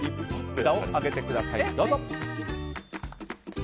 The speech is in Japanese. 札を上げてください、どうぞ。